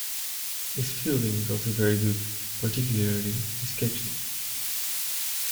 His fielding is also very good, particularly his catching.